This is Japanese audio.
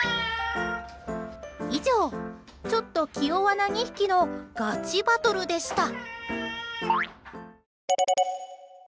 以上、ちょっと気弱な２匹のガチバトルでした。